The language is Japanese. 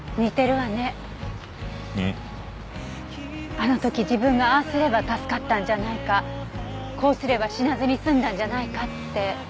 あの時自分がああすれば助かったんじゃないかこうすれば死なずに済んだんじゃないかって。